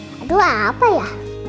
haduh apa ya